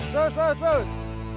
terus terus terus